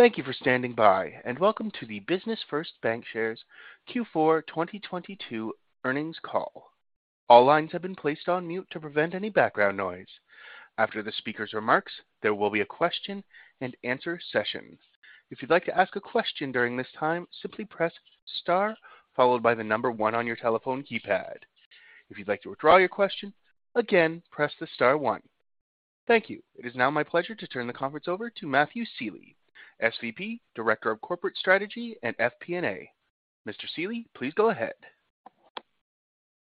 Thank you for standing by and welcome to the Business First Bancshares Q4 2022 earnings call. All lines have been placed on mute to prevent any background noise. After the speaker's remarks, there will be a question-and-answer session. If you'd like to ask a question during this time, simply press star followed by one on your telephone keypad. If you'd like to withdraw your question, again, press star one. Thank you. It is now my pleasure to turn the conference over to Matthew Sealy, Senior Vice President and Director of Corporate Strategy and FP&A. Mr. Sealy, please go ahead.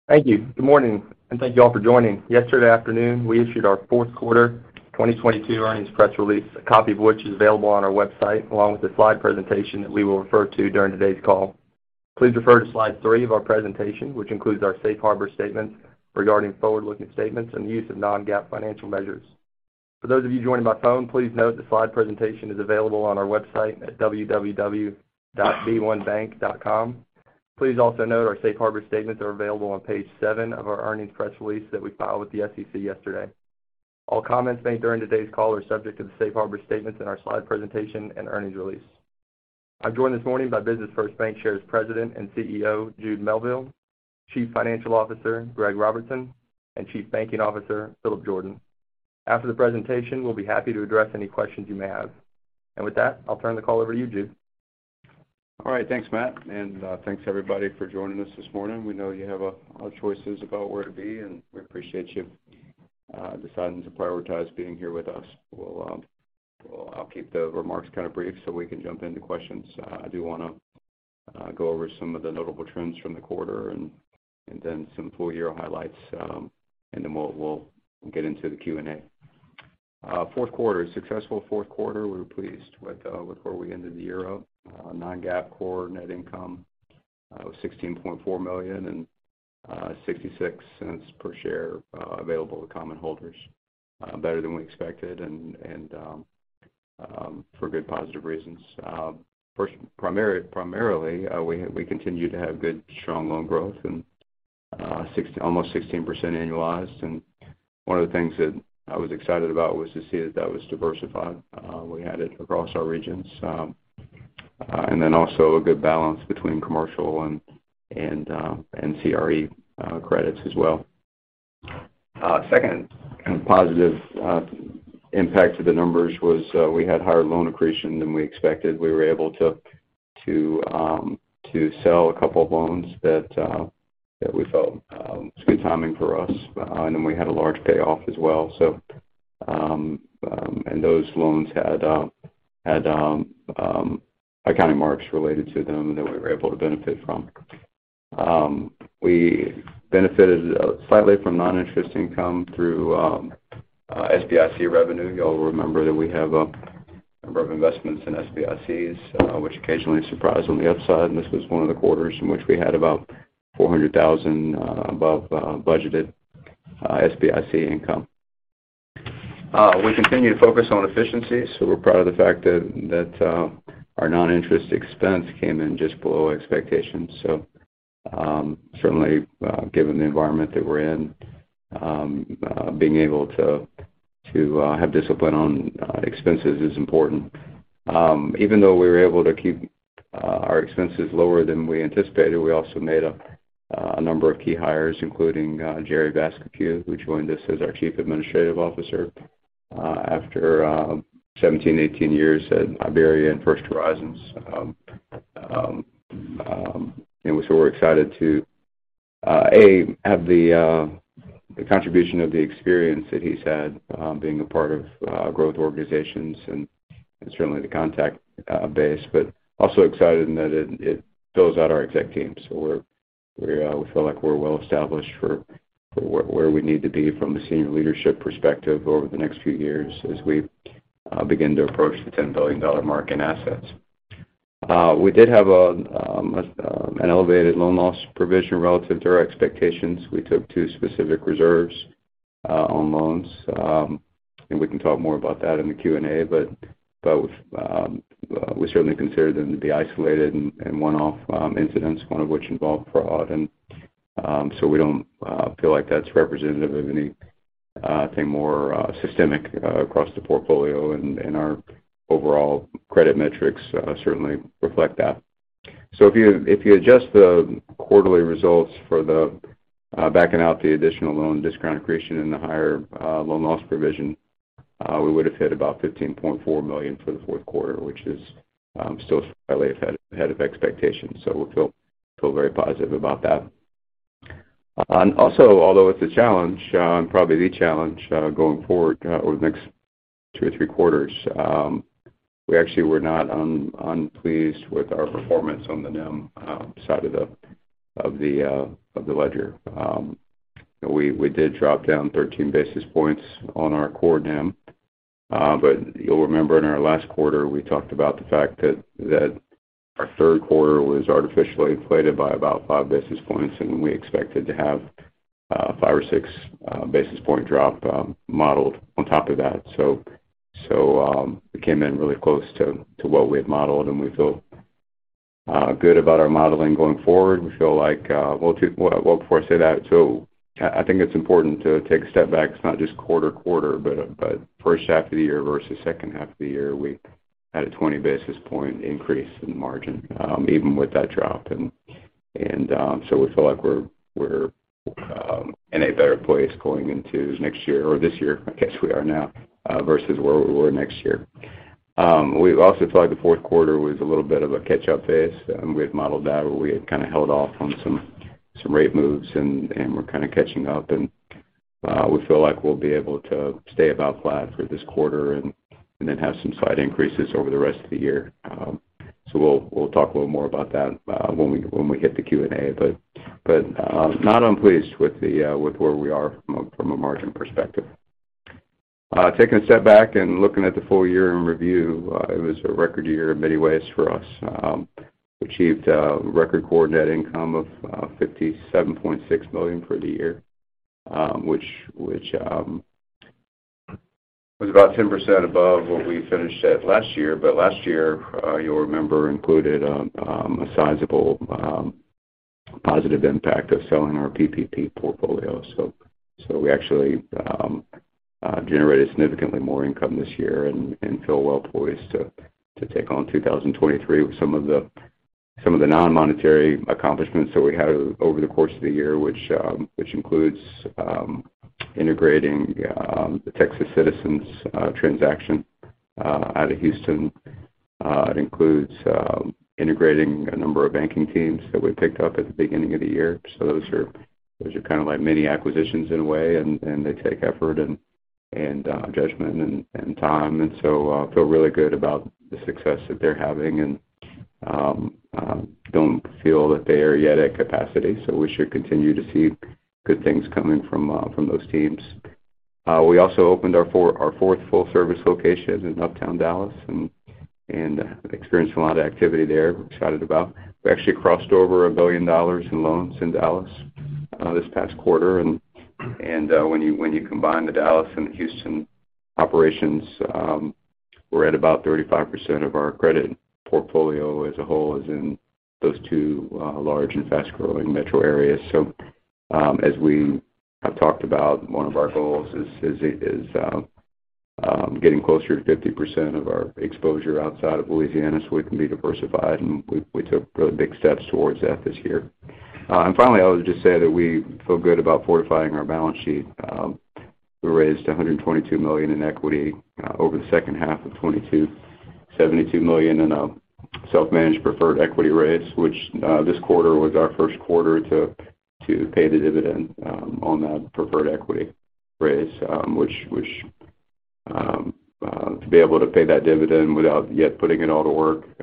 Thank you. Good morning, and thank you all for joining. Yesterday afternoon, we issued our fourth quarter 2022 earnings press release, a copy of which is available on our website, along with the slide presentation that we will refer to during today's call. Please refer to slide three of our presentation, which includes our Safe Harbor statement regarding forward-looking statements and the use of non-GAAP financial measures. For those of you joining by phone, please note the slide presentation is available on our website at www.b1bank.com. Please also note our Safe Harbor statements are available on page seven of our earnings press release that we filed with the SEC yesterday. All comments made during today's call are subject to the Safe Harbor statements in our slide presentation and earnings release. I'm joined this morning by Business First Bancshares President and CEO, Jude Melville, Chief Financial Officer, Greg Robertson, and Chief Banking Officer, Philip Jordan. After the presentation, we'll be happy to address any questions you may have. With that, I'll turn the call over to you, Jude. All right. Thanks, Matt, and thanks, everybody, for joining us this morning. We know you have other choices about where to be, and we appreciate you deciding to prioritize being here with us. We'll I'll keep the remarks kind of brief so we can jump into questions. I do wanna go over some of the notable trends from the quarter and then some full year highlights, and then we'll get into the Q&A. Fourth quarter. Successful fourth quarter. We were pleased with where we ended the year up. non-GAAP core net income was $16.4 million and $0.66 per share available to common holders better than we expected and for good positive reasons. First, primarily, we continue to have good, strong loan growth and almost 16% annualized. One of the things that I was excited about was to see that that was diversified. We had it across our regions. Also a good balance between commercial and CRE credits as well. Second kind of positive impact to the numbers was we had higher loan accretion than we expected. We were able to sell a couple of loans that we felt was good timing for us. We had a large payoff as well. Those loans had accounting marks related to them that we were able to benefit from. We benefited slightly from non-interest income through SBIC revenue. You all remember that we have a number of investments in SBICs, which occasionally surprise on the upside, and this was one of the quarters in which we had about $400,000 above budgeted SBIC income. We continue to focus on efficiency, we're proud of the fact that our non-interest expense came in just below expectations. Certainly, given the environment that we're in, being able to have discipline on expenses is important. Even though we were able to keep our expenses lower than we anticipated, we also made a number of key hires, including Jerry Vascocu, who joined us as our Chief Administrative Officer, after 17, 18 years at IBERIABANK and First Horizon. We're excited to A, have the contribution of the experience that he's had, being a part of growth organizations and certainly the contact base, but also excited in that it fills out our exec team. We're we feel like we're well established for where we need to be from a senior leadership perspective over the next few years as we begin to approach the $10 billion mark in assets. We did have an elevated loan loss provision relative to our expectations. We took two specific reserves on loans. And we can talk more about that in the Q&A. We certainly consider them to be isolated and one-off incidents, one of which involved fraud. So we don't feel like that's representative of any anything more systemic across the portfolio, and our overall credit metrics certainly reflect that. If you adjust the quarterly results for the backing out the additional loan discount accretion and the higher loan loss provision, we would've hit about $15.4 million for the fourth quarter, which is still slightly ahead of expectations. We feel very positive about that. Also, although it's a challenge, and probably the challenge going forward over the next two or three quarters, we actually were not unpleased with our performance on the NIM side of the ledger. We did drop down 13 basis points on our core NIM. You'll remember in our last quarter, we talked about the fact that our third quarter was artificially inflated by about 5 basis points, and we expected to have a 5 or 6 basis point drop, modeled on top of that. We came in really close to what we had modeled, and we feel good about our modeling going forward. We feel like. Well, before I say that, I think it's important to take a step back. It's not just quarter to quarter, but first half of the year versus second half of the year, we had a 20 basis point increase in margin, even with that drop. We feel like we're in a better place going into next year or this year, I guess we are now, versus where we were next year. We also feel like the fourth quarter was a little bit of a catch-up phase, and we had modeled that where we had kinda held off on some rate moves and we're kinda catching up and we feel like we'll be able to stay about flat for this quarter and then have some slight increases over the rest of the year. We'll talk a little more about that when we hit the Q&A. Not unpleased with the with where we are from a margin perspective. Taking a step back and looking at the full year in review, it was a record year in many ways for us. Achieved a record core net income of $57.6 million for the year, which was about 10% above what we finished at last year. Last year, you'll remember, included a sizable positive impact of selling our PPP portfolio. We actually generated significantly more income this year and feel well poised to take on 2023 with some of the non-monetary accomplishments that we had over the course of the year, which includes integrating the Texas Citizens transaction out of Houston. It includes integrating a number of banking teams that we picked up at the beginning of the year. Those are, those are kind of like mini acquisitions in a way, and they take effort and judgment and time. Feel really good about the success that they're having and don't feel that they are yet at capacity, so we should continue to see good things coming from those teams. We also opened our fourth full-service location in Uptown Dallas and experienced a lot of activity there we're excited about. We actually crossed over $1 billion in loans in Dallas this past quarter. When you combine the Dallas and Houston operations, we're at about 35% of our credit portfolio as a whole is in those two large and fast-growing metro areas. As we have talked about, one of our goals is getting closer to 50% of our exposure outside of Louisiana so we can be diversified, and we took really big steps towards that this year. Finally, I would just say that we feel good about fortifying our balance sheet. We raised $122 million in equity over the second half of 2022, $72 million in a self-managed preferred equity raise, which this quarter was our first quarter to pay the dividend on that preferred equity raise, which to be able to pay that dividend without yet putting it all to work,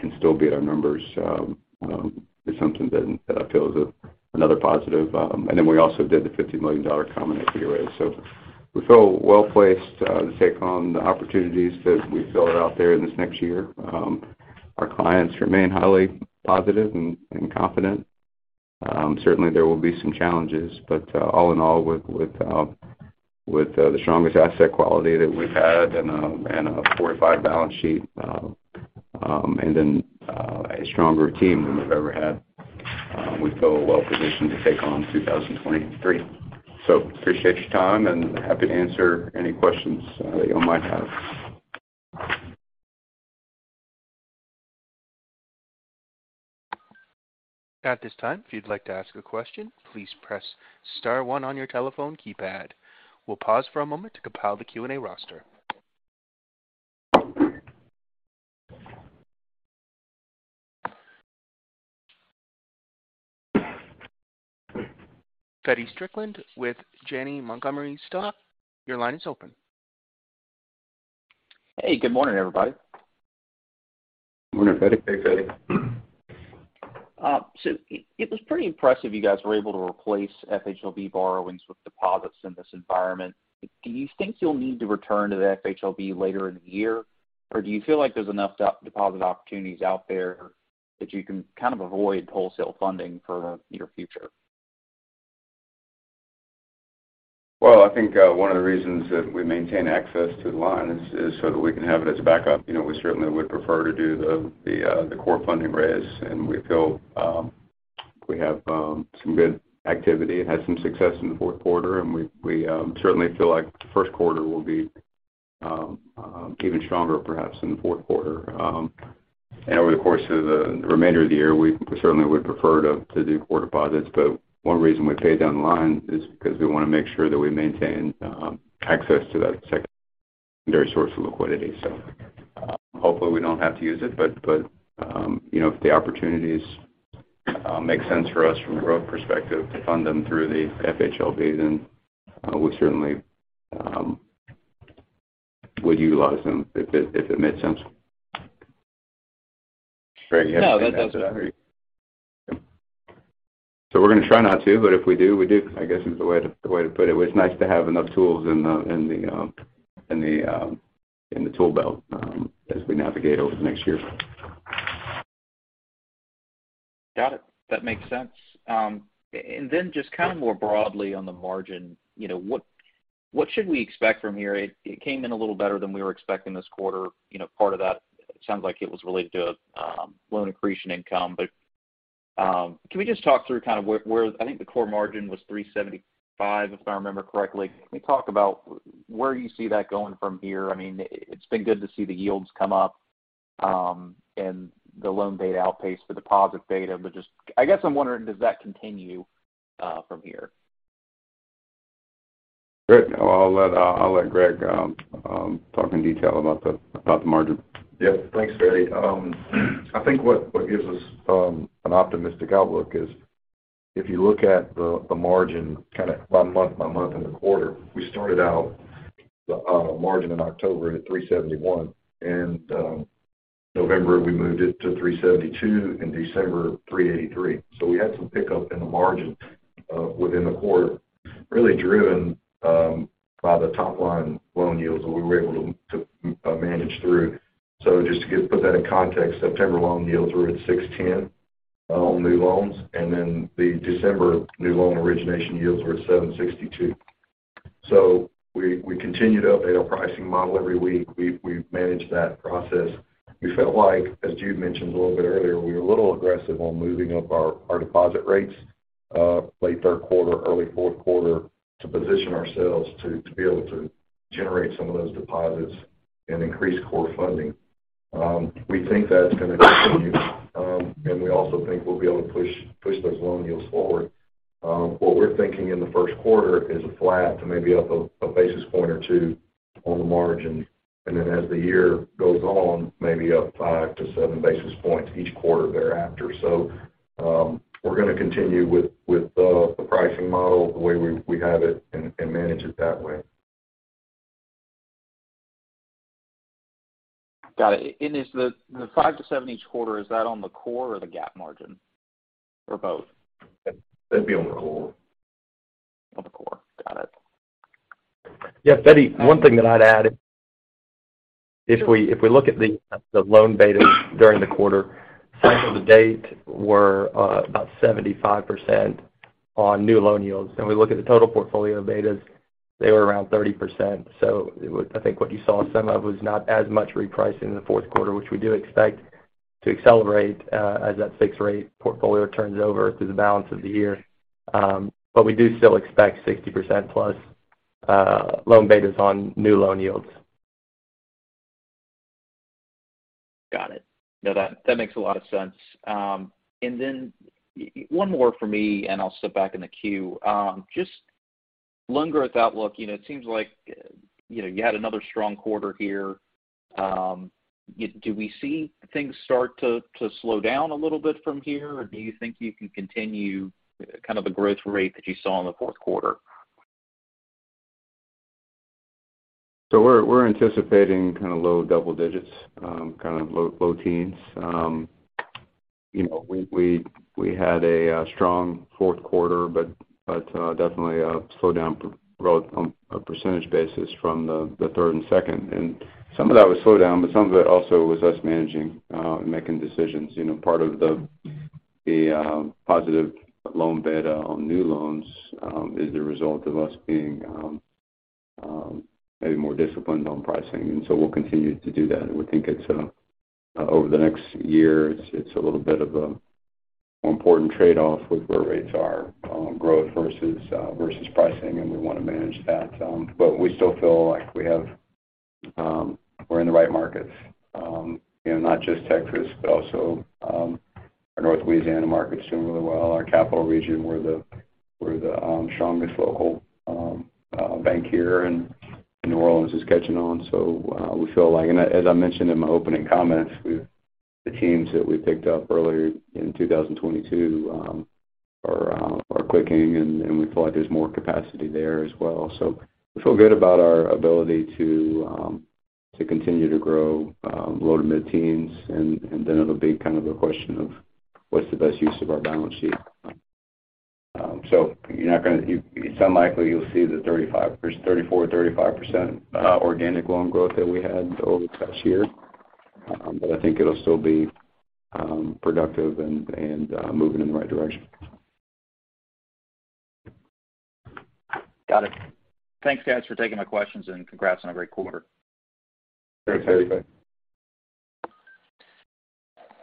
can still beat our numbers, is something that I feel is another positive. We also did the $50 million common equity raise. We feel well-placed to take on the opportunities that we feel are out there in this next year. Our clients remain highly positive and confident. Certainly there will be some challenges. All in all, with the strongest asset quality that we've had and a fortified balance sheet, and then, a stronger team than we've ever had, we feel well-positioned to take on 2023. Appreciate your time, and happy to answer any questions, that y'all might have. At this time, if you'd like to ask a question, please press star one on your telephone keypad. We'll pause for a moment to compile the Q&A roster. Feddie Strickland with Janney Montgomery Scott, your line is open. Hey, good morning, everybody. Morning, Feddie. Hey, Feddie. It was pretty impressive you guys were able to replace FHLB borrowings with deposits in this environment. Do you think you'll need to return to the FHLB later in the year, or do you feel like there's enough deposit opportunities out there that you can kind of avoid wholesale funding for your future? I think one of the reasons that we maintain access to the line is so that we can have it as a backup. You know, we certainly would prefer to do the core funding raise, and we feel we have some good activity. It had some success in the fourth quarter, and we certainly feel like the first quarter will be even stronger perhaps than the fourth quarter. Over the course of the remainder of the year, we certainly would prefer to do core deposits, but one reason we pay down the line is because we wanna make sure that we maintain access to that secondary source of liquidity. Hopefully, we don't have to use it, but, you know, if the opportunities make sense for us from a growth perspective to fund them through the FHLBs, then, we certainly would utilize them if it made sense. No, that's okay. We're gonna try not to, but if we do, we do, I guess, is the way to, the way to put it. It's nice to have enough tools in the, in the, in the, in the tool belt, as we navigate over the next year. Got it. That makes sense. Then just kind of more broadly on the margin, you know, what should we expect from here? It came in a little better than we were expecting this quarter. You know, part of that sounds like it was related to loan accretion income. Can we just talk through kind of where I think the core margin was 3.75%, if I remember correctly. Can we talk about where you see that going from here? I mean, it's been good to see the yields come up, and the loan beta outpace the deposit beta. Just, I guess I'm wondering, does that continue from here? Great. I'll let Greg talk in detail about the margin. Thanks, Feddie. I think what gives us an optimistic outlook is if you look at the margin kind of by month, by month in the quarter, we started out the margin in October at 3.71%, and November, we moved it to 3.72%, in December, 3.83%. We had some pickup in the margin within the quarter, really driven by the top-line loan yields that we were able to manage through. Just to put that in context, September loan yields were at 6.10% on new loans, and then the December new loan origination yields were at 7.62%. We continue to update our pricing model every week. We've managed that process. We felt like, as Jude mentioned a little bit earlier, we were a little aggressive on moving up our deposit rates, late third quarter, early fourth quarter to position ourselves to be able to generate some of those deposits and increase core funding. We think that's gonna continue. We also think we'll be able to push those loan yields forward. What we're thinking in the first quarter is a flat to maybe up a basis point or 2 basis points on the margin. Then as the year goes on, maybe up 5 to 7 basis points each quarter thereafter. We're gonna continue with the pricing model the way we have it and manage it that way. Got it. is the 5 to 7 basis points each quarter, is that on the core or the GAAP margin, or both? That'd be on the core. On the core. Got it. Feddie, one thing that I'd add, if we, if we look at the loan betas during the quarter, cycle to date were about 75% on new loan yields. We look at the total portfolio betas, they were around 30%. I think what you saw on some level is not as much repricing in the fourth quarter, which we do expect to accelerate as that fixed rate portfolio turns over through the balance of the year. We do still expect 60% plus loan betas on new loan yields. Got it. No, that makes a lot of sense. One more for me, and I'll step back in the queue. Just loan growth outlook. You know, it seems like, you know, you had another strong quarter here. Do we see things start to slow down a little bit from here? Do you think you can continue kind of the growth rate that you saw in the fourth quarter? We're anticipating kind of low double digits, kind of low, low teens. You know, we had a strong fourth quarter, but definitely a slowdown for growth on a percentage basis from the third and second. Some of that was slowdown, but some of it also was us managing, making decisions. You know, part of the positive loan beta on new loans is the result of us being maybe more disciplined on pricing, we'll continue to do that. We think it's over the next year, it's a little bit of a more important trade-off with where rates are, growth versus pricing, we wanna manage that. We still feel like we have, we're in the right markets, you know, not just Texas, but also, our North Louisiana market is doing really well. Our capital region, we're the strongest local bank here, and New Orleans is catching on. We feel like. As I mentioned in my opening comments, the teams that we picked up earlier in 2022, are clicking, and we feel like there's more capacity there as well. We feel good about our ability to continue to grow, low to mid-teens, and then it'll be kind of a question of what's the best use of our balance sheet. It's unlikely you'll see the 35%, 34%, 35% organic loan growth that we had over the past year. I think it'll still be productive and moving in the right direction. Got it. Thanks, guys, for taking my questions, and congrats on a great quarter. Thanks, Feddie.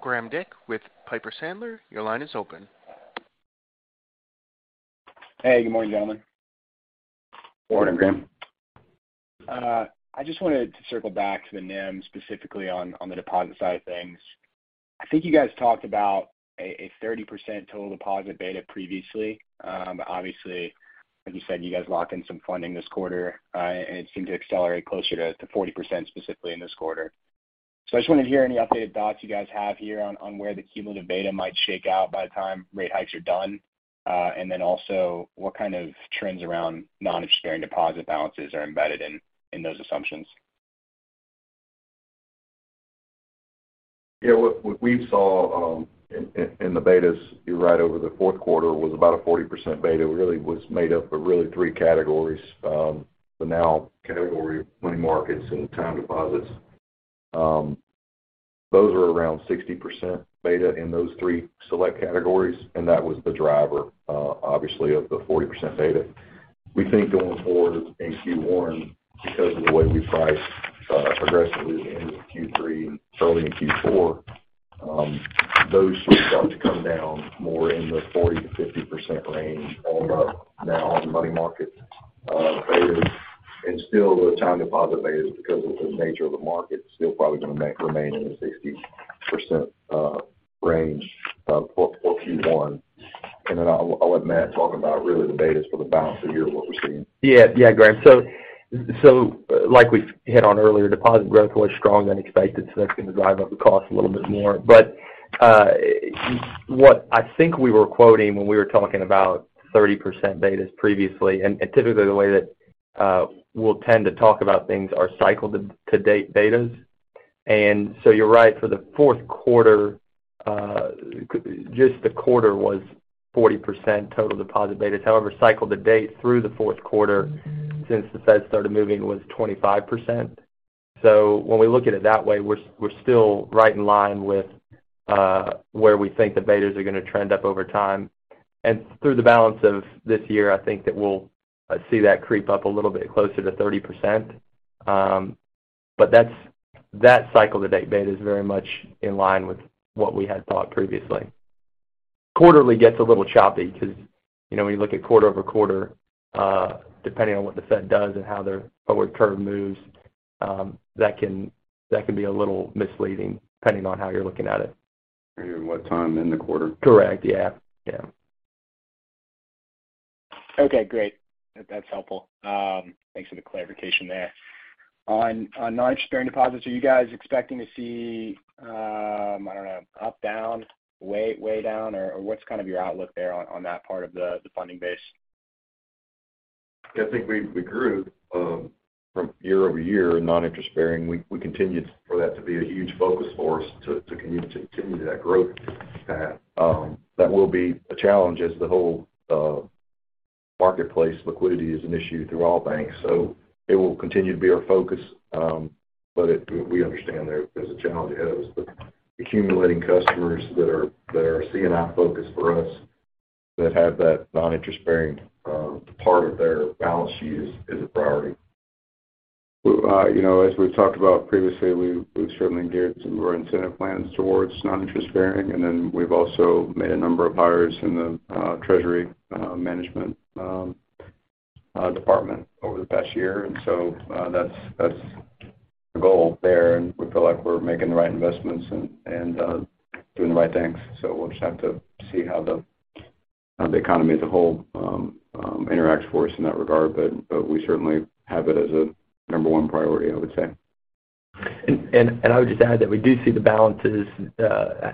Graham Dick with Piper Sandler, your line is open. Hey, good morning, gentlemen. Morning, Graham. I just wanted to circle back to the NIM, specifically on the deposit side of things. I think you guys talked about a 30% total deposit beta previously. Obviously, as you said, you guys locked in some funding this quarter, and it seemed to accelerate closer to 40% specifically in this quarter. I just wanted to hear any updated thoughts you guys have here on where the cumulative beta might shake out by the time rate hikes are done. Then also what kind of trends around non-interest bearing deposit balances are embedded in those assumptions? Yeah. What we saw in the betas, you're right, over the fourth quarter was about a 40% beta. Really was made up of really 3 categories. The now category of money markets and time deposits. Those were around 60% beta in those three select categories. That was the driver, obviously, of the 40% beta. We think going forward in Q1, because of the way we price aggressively in Q3 and certainly in Q4, those should start to come down more in the 40%-50% range going up now on the money market. Beta is and still the time deposit betas, because of the nature of the market, still probably gonna remain in the 60% range for Q1. Then I'll let Matt talk about really the betas for the balance of the year, what we're seeing. Yeah. Yeah, Graham. Like we hit on earlier, deposit growth was strong, unexpected, that's gonna drive up the cost a little bit more. What I think we were quoting when we were talking about 30% betas previously, and typically the way that we'll tend to talk about things are cycle to date betas. You're right, for the fourth quarter, just the quarter was 40% total deposit betas. However, cycle to date through the fourth quarter since the Fed started moving was 25%. When we look at it that way, we're still right in line with where we think the betas are gonna trend up over time. Through the balance of this year, I think that we'll see that creep up a little bit closer to 30%. That cycle to date beta is very much in line with what we had thought previously. Quarterly gets a little choppy because, you know, when you look at quarter-over-quarter, depending on what the Fed does and how their forward curve moves, that can be a little misleading depending on how you're looking at it. What a time in the quarter. Correct. Yeah. Yeah. Okay, great. That's helpful. thanks for the clarification there. On non-interest bearing deposits, are you guys expecting to see, I don't know, up, down, way down? What's kind of your outlook there on that part of the funding base? I think we grew from year-over-year in non-interest bearing. We continued for that to be a huge focus for us to continue that growth path. That will be a challenge as the whole marketplace liquidity is an issue through all banks. It will continue to be our focus, but we understand there's a challenge ahead of us. Accumulating customers that are C&I focused for us that have that non-interest bearing part of their balance sheet is a priority. We, you know, as we've talked about previously, we've certainly geared some of our incentive plans towards non-interest bearing. We've also made a number of hires in the treasury management department over the past year. That's the goal there, and we feel like we're making the right investments and doing the right things. We'll just have to see how the economy as a whole interacts for us in that regard. We certainly have it as a number one priority, I would say. I would just add that we do see the balances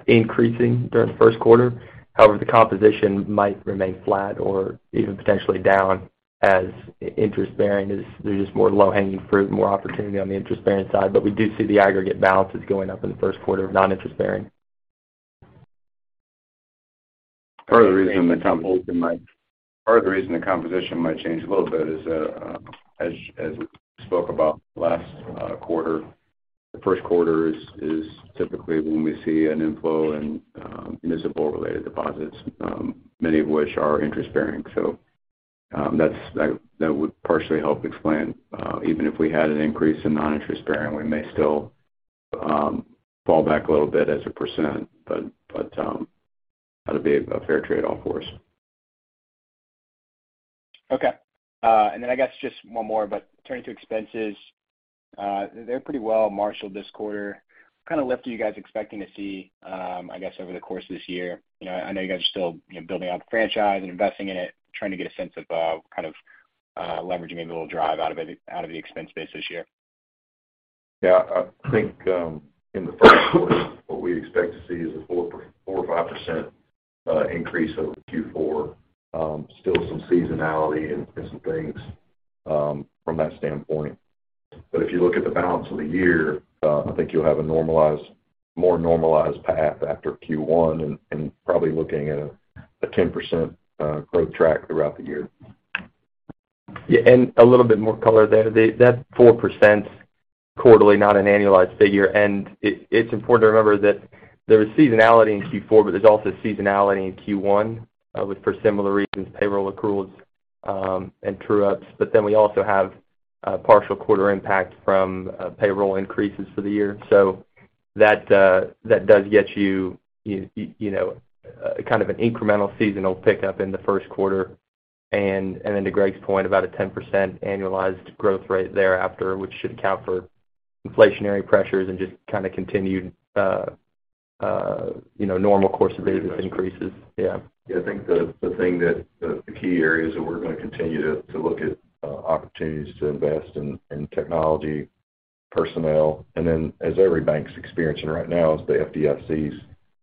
increasing during the first quarter. However, the composition might remain flat or even potentially down as interest-bearing, there's just more low-hanging fruit, more opportunity on the interest-bearing side. We do see the aggregate balances going up in the first quarter of non-interest bearing. Part of the reason the composition might change a little bit is, as we spoke about last quarter, the first quarter is typically when we see an inflow in municipal related deposits, many of which are interest bearing. That would partially help explain, even if we had an increase in non-interest bearing, we may still fall back a little bit as a percentage. That'll be a fair trade-off for us. Okay. I guess just one more. Turning to expenses, they're pretty well marshaled this quarter. What kind of lift are you guys expecting to see, I guess, over the course of this year? You know, I know you guys are still, you know, building out the franchise and investing in it. Trying to get a sense of, kind of, leverage maybe we'll drive out of it, out of the expense base this year. Yeah. I think in the first quarter, what we expect to see is a 4% or 4%-5% increase over Q4. Still some seasonality in some things from that standpoint. If you look at the balance of the year, I think you'll have a more normalized path after Q1 and probably looking at a 10% growth track throughout the year. Yeah, a little bit more color there. That's 4% quarterly, not an annualized figure. It's important to remember that there is seasonality in Q4, but there's also seasonality in Q1, with for similar reasons, payroll accruals, and true ups. We also have a partial quarter impact from payroll increases for the year. That does get you know, kind of an incremental seasonal pickup in the first quarter. Then to Greg's point, about a 10% annualized growth rate thereafter, which should account for inflationary pressures and just kind of continued, you know, normal course of business increases. Yeah. Yeah, I think the key areas that we're gonna continue to look at, opportunities to invest in technology, personnel, and then as every bank's experiencing right now is the FDIC's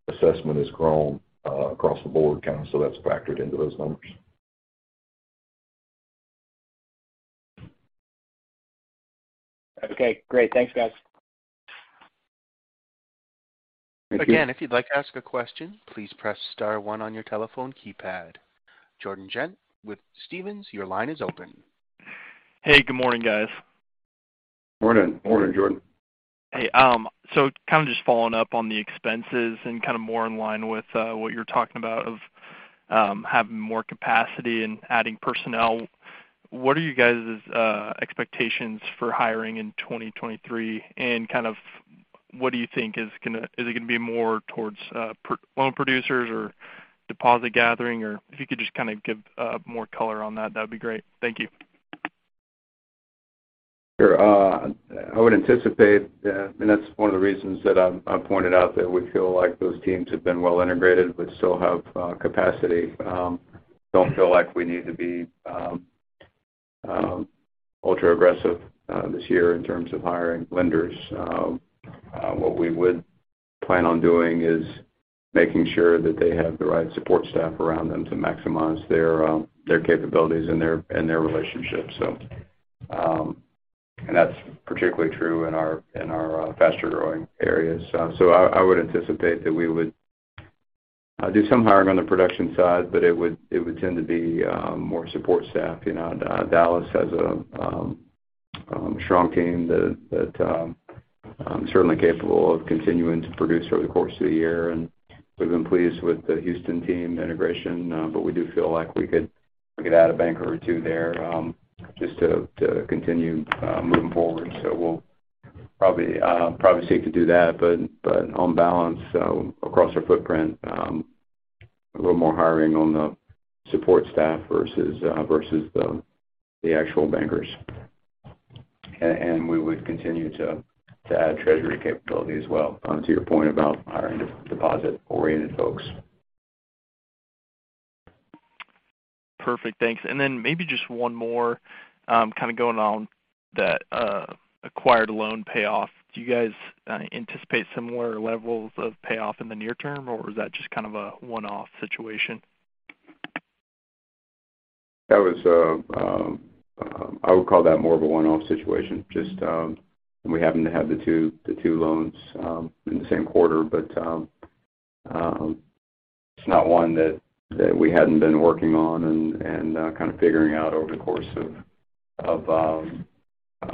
assessment has grown across the board kinda. That's factored into those numbers. Okay, great. Thanks, guys. Again, if you'd like to ask a question, please press star one on your telephone keypad. Jordan Ghent with Stephens, your line is open. Hey, good morning, guys. Morning. Morning, Jordan. Hey, kind of just following up on the expenses and kind of more in line with what you're talking about of having more capacity and adding personnel. What are you guys's expectations for hiring in 2023? Kind of what do you think Is it gonna be more towards loan producers or deposit gathering? If you could just kind of give more color on that'd be great. Thank you. Sure. I would anticipate, that's one of the reasons that I pointed out that we feel like those teams have been well integrated, but still have capacity. Don't feel like we need to be ultra aggressive this year in terms of hiring lenders. What we would plan on doing is making sure that they have the right support staff around them to maximize their capabilities and their relationships. That's particularly true in our faster growing areas. I would anticipate that we would do some hiring on the production side, but it would tend to be more support staff. You know, Dallas has a strong team that certainly capable of continuing to produce over the course of the year. We've been pleased with the Houston team integration, but we do feel like we could add a banker or two there, just to continue moving forward. We'll probably seek to do that. On balance, across our footprint, a little more hiring on the support staff versus the actual bankers. We would continue to add treasury capability as well, to your point about hiring deposit-oriented folks. Perfect. Thanks. Maybe just one more, kind of going on that, acquired loan payoff. Do you guys, anticipate similar levels of payoff in the near-term, or was that just kind of a one-off situation? That was I would call that more of a one-off situation. Just we happened to have the two loans in the same quarter. It's not one that we hadn't been working on and kind of figuring out over the course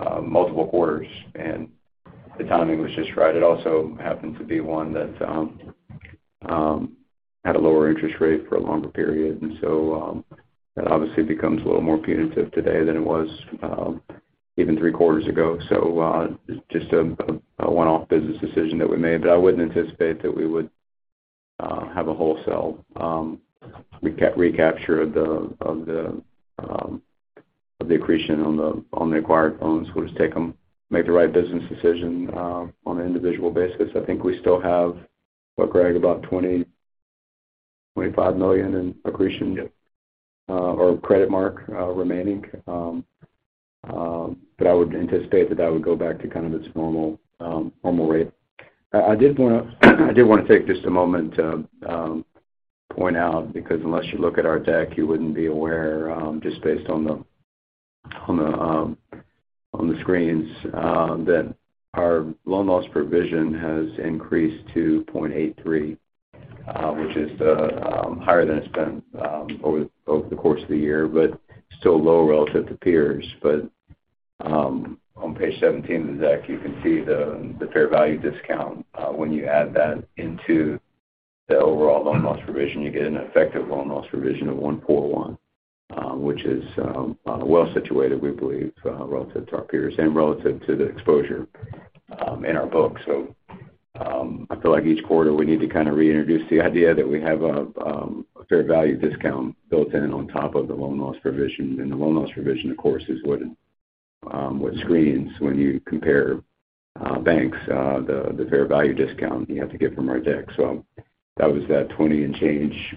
of multiple quarters. The timing was just right. It also happened to be one that had a lower interest rate for a longer period. That obviously becomes a little more punitive today than it was even three quarters ago. Just a one-off business decision that we made, but I wouldn't anticipate that we would have a wholesale recapture of the accretion on the acquired loans. We'll just take them, make the right business decision, on an individual basis. I think we still have, what Greg, about $20 million-$25 million in accretion. Yep. Or credit mark remaining. I would anticipate that that would go back to kind of its normal normal rate. I did wanna take just a moment to point out, because unless you look at our deck, you wouldn't be aware, just based on the, on the, on the screens, that our loan loss provision has increased to 0.83%, which is higher than it's been over the course of the year, but still low relative to peers. On page 17 of the deck, you can see the fair value discount. When you add that into the overall loan loss provision, you get an effective loan loss provision of $141 million, which is well-situated, we believe, relative to our peers and relative to the exposure in our books. I feel like each quarter, we need to kind of reintroduce the idea that we have a fair value discount built in on top of the loan loss provision. The loan loss provision, of course, is what screens when you compare banks, the fair value discount you have to get from our deck. That was that 20% and change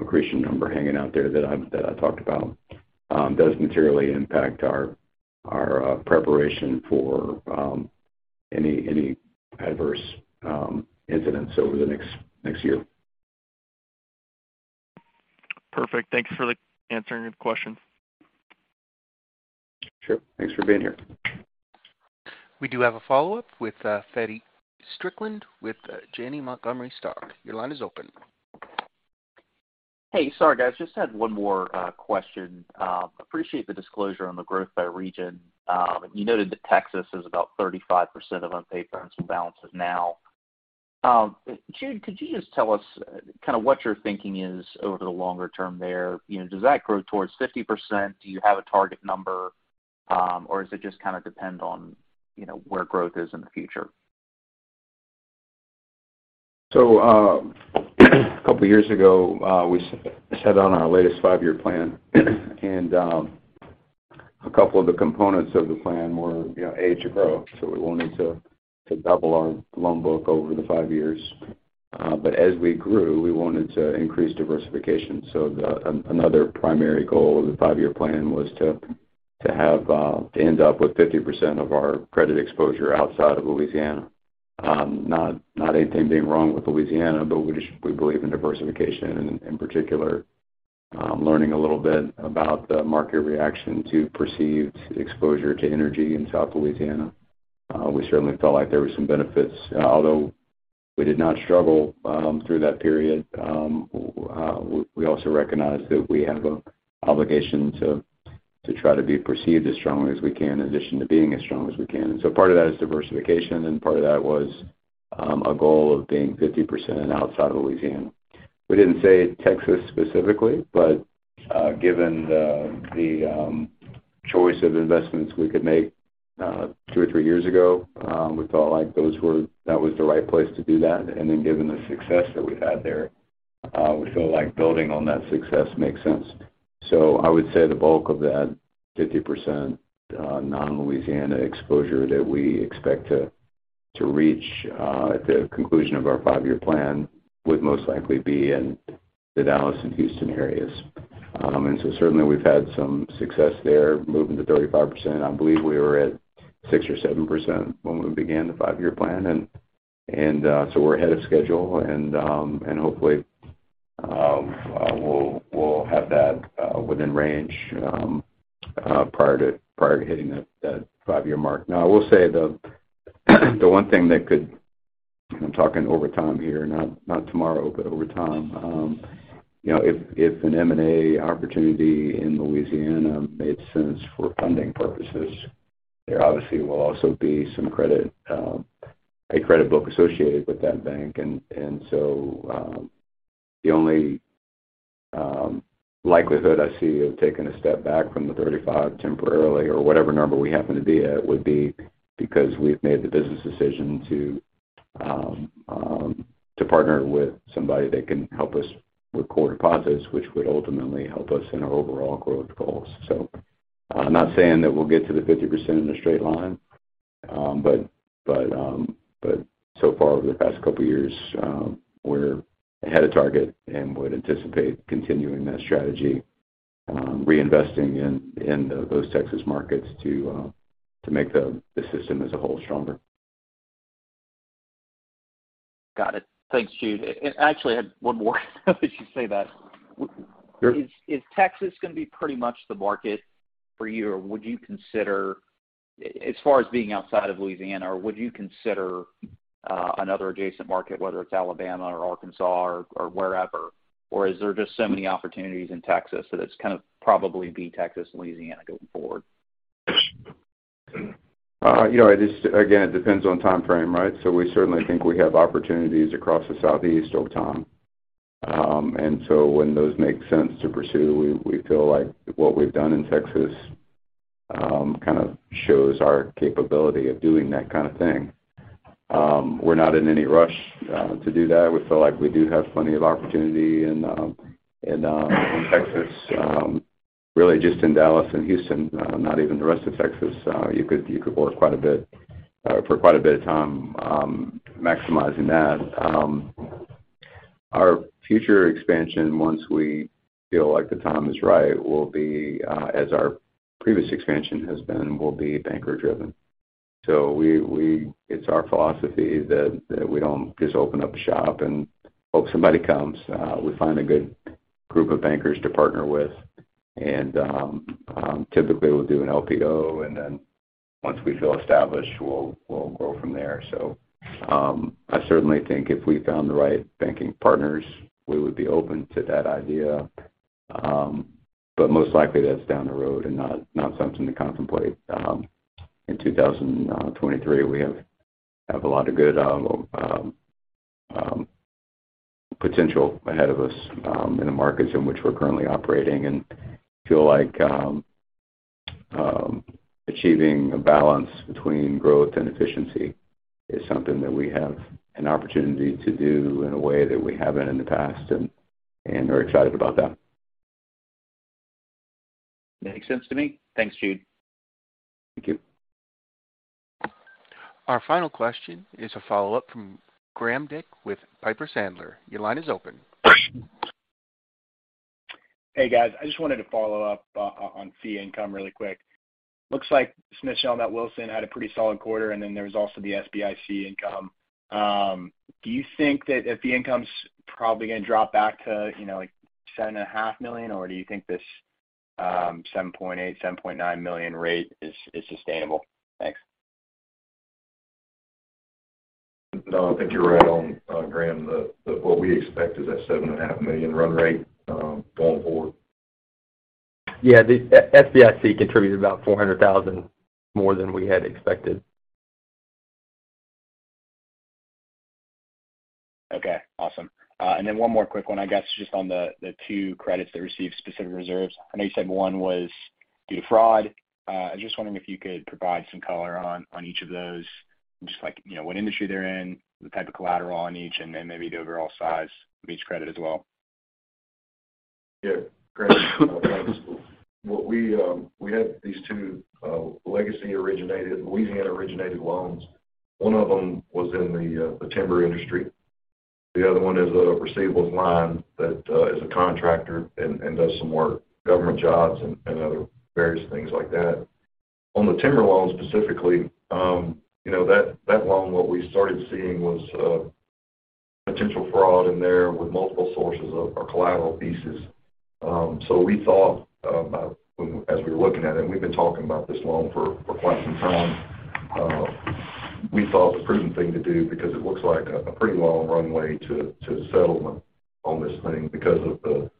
accretion number hanging out there that I'm, that I talked about, does materially impact our preparation for any adverse incidents over the next year. Perfect. Thanks for the answering the question. Sure. Thanks for being here. We do have a follow-up with, Feddie Strickland with Janney Montgomery Scott. Your line is open. Hey, sorry guys, just had one more question. Appreciate the disclosure on the growth by region. You noted that Texas is about 35% of unpaid loans and balances now. Jude, could you just tell us kinda what your thinking is over the longer term there? You know, does that grow towards 50%? Do you have a target number? Does it just kinda depend on, you know, where growth is in the future? A couple years ago, we set on our latest 5-year plan. A couple of the components of the plan were, you know, A, to grow. We wanted to double our loan book over the 5 years. As we grew, we wanted to increase diversification. Another primary goal of the five-year plan was to have to end up with 50% of our credit exposure outside of Louisiana. Not anything being wrong with Louisiana, but we just, we believe in diversification, and in particular. Learning a little bit about the market reaction to perceived exposure to energy in South Louisiana. We certainly felt like there were some benefits. Although we did not struggle, through that period, we also recognize that we have an obligation to try to be perceived as strongly as we can, in addition to being as strong as we can. Part of that is diversification, and part of that was, a goal of being 50% outside of Louisiana. We didn't say Texas specifically, but, given the, choice of investments we could make, two or three years ago, we felt like that was the right place to do that. Given the success that we've had there, we feel like building on that success makes sense. I would say the bulk of that 50% non-Louisiana exposure that we expect to reach at the conclusion of our five-year plan would most likely be in the Dallas and Houston areas. Certainly we've had some success there, moving to 35%. I believe we were at 6% or 7% when we began the five-year plan. We're ahead of schedule, hopefully we'll have that within range prior to hitting that 5-year mark. I will say the one thing that could... I'm talking over time here, not tomorrow, but over time. You know, if an M&A opportunity in Louisiana made sense for funding purposes, there obviously will also be some credit, a credit book associated with that bank. The only likelihood I see of taking a step back from the 35 temporarily or whatever number we happen to be at, would be because we've made the business decision to partner with somebody that can help us with core deposits, which would ultimately help us in our overall growth goals. I'm not saying that we'll get to the 50% in a straight line, but so far over the past couple of years, we're ahead of target and would anticipate continuing that strategy, reinvesting in those Texas markets to make the system as a whole stronger. Got it. Thanks, Jude. Actually, I had one more as you say that. Sure. Is Texas gonna be pretty much the market for you? Would you consider, as far as being outside of Louisiana, would you consider another adjacent market, whether it's Alabama or Arkansas or wherever? Is there just so many opportunities in Texas that it's kind of probably be Texas and Louisiana going forward? You know, it is again, it depends on time frame, right? We certainly think we have opportunities across the southeast over time. When those make sense to pursue, we feel like what we've done in Texas kind of shows our capability of doing that kind of thing. We're not in any rush to do that. We feel like we do have plenty of opportunity in Texas, really just in Dallas and Houston, not even the rest of Texas. You could work quite a bit for quite a bit of time, maximizing that. Our future expansion, once we feel like the time is right, will be as our previous expansion has been, will be banker-driven. It's our philosophy that we don't just open up a shop and hope somebody comes. We find a good group of bankers to partner with, and typically, we'll do an LPO, and then once we feel established, we'll grow from there. I certainly think if we found the right banking partners, we would be open to that idea. Most likely that's down the road and not something to contemplate in 2023. We have a lot of good potential ahead of us in the markets in which we're currently operating and feel like achieving a balance between growth and efficiency is something that we have an opportunity to do in a way that we haven't in the past, and are excited about that. Makes sense to me. Thanks, Jude. Thank you. Our final question is a follow-up from Graham Dick with Piper Sandler. Your line is open. Hey, guys. I just wanted to follow up on fee income really quick. Looks like Smith Shellnut Wilson had a pretty solid quarter, and then there was also the SBIC income. Do you think that fee income's probably gonna drop back to, you know, like $7.5 million? Or do you think this $7.8 million-$7.9 million rate is sustainable? Thanks. No, I think you're right on, Graham. What we expect is that $7.5 million run rate going forward. Yeah. SBIC contributed about $400,000 more than we had expected. Okay. Awesome. One more quick one, I guess, just on the two credits that received specific reserves. I know you said one was due to fraud. I was just wondering if you could provide some color on each of those, just like, you know, what industry they're in, the type of collateral on each, and then maybe the overall size of each credit as well. Yeah. Great. What we had these two legacy originated, Louisiana originated loans. One of them was in the timber industry. The other one is a receivables line that is a contractor and does some work, government jobs and other various things like that. On the timber loan specifically, you know, that loan, what we started seeing was potential fraud in there with multiple sources of our collateral pieces. We thought about as we were looking at it, and we've been talking about this loan for quite some time, we thought the prudent thing to do, because it looks like a pretty long runway to settlement on this thing because of the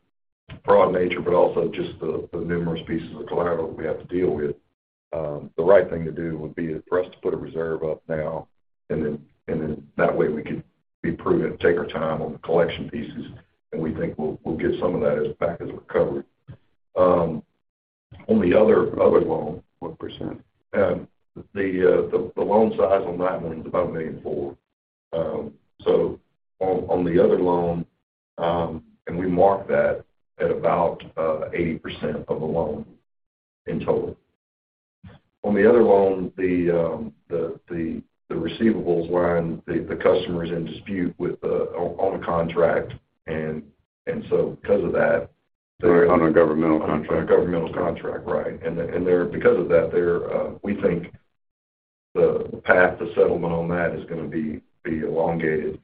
fraud nature, but also just the numerous pieces of collateral that we have to deal with. The right thing to do would be for us to put a reserve up now, that way we could be prudent, take our time on the collection pieces, and we think we'll get some of that as back as recovered. On the other loan- What percentage? The, the loan size on that one is about $1.4 million. On, on the other loan, and we marked that at about 80% of the loan in total. On the other loan, the, the receivables line, the customer is in dispute with on a contract. Because of that- On a governmental contract. On a governmental contract, right. Because of that, they're, we think the path to settlement on that is gonna be elongated.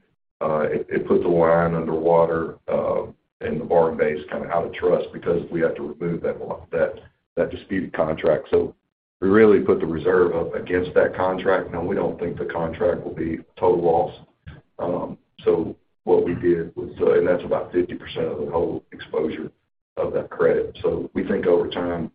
It, it puts a line under water, and the borrowing base kinda out of trust because we have to remove that disputed contract. We really put the reserve up against that contract. We don't think the contract will be a total loss. What we did was. That's about 50% of the whole exposure of that credit. We think over time,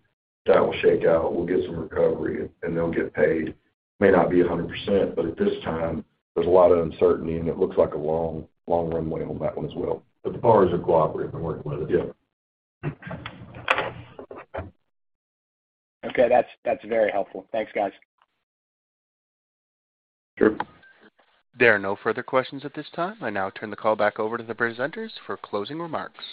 that will shake out. We'll get some recovery, and they'll get paid. May not be 100%, but at this time, there's a lot of uncertainty, and it looks like a long runway on that one as well. The borrowers are cooperative in working with us? Yeah. Okay. That's very helpful. Thanks, guys. Sure. There are no further questions at this time. I now turn the call back over to the presenters for closing remarks.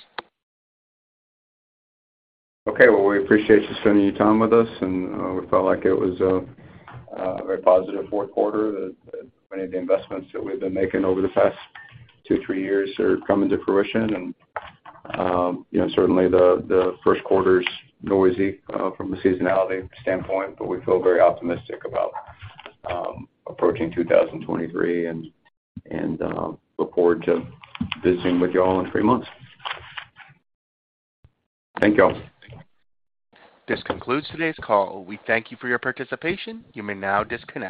Okay. Well, we appreciate you spending your time with us, and we felt like it was a very positive fourth quarter. That many of the investments that we've been making over the past two, three years are coming to fruition. You know, certainly the first quarter's noisy from a seasonality standpoint, but we feel very optimistic about approaching 2023 and look forward to visiting with you all in three months. Thank you all. This concludes today's call. We thank you for your participation. You may now disconnect.